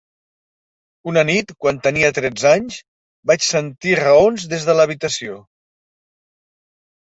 Una nit, quan tenia tretze anys, vaig sentir raons des de l'habitació.